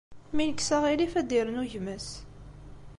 Mi nekkes aɣilif, ad d-yernu gma-s.